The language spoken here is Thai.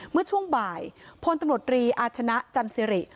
เมื่อช่วงบ่ายพลตำรวจรีอาชนะจันสิริ